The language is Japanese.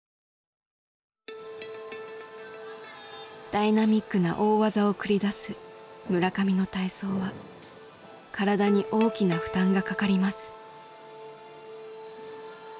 ダイナミックな大技を繰り出す村上の体操は体に大きな負担がかかります。